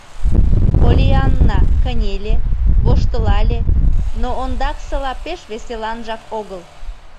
Поллианна кынеле, воштылале, но ондаксыла пеш веселанжак огыл.